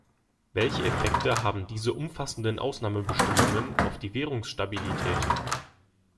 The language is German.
Welche Effekte haben diese umfassenden Ausnahmebestimmungen auf die Währungsstabilität?